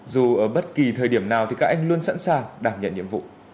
dù ở bất kỳ thời điểm nào thì các anh luôn sẵn sàng đảm nhận nhiệm vụ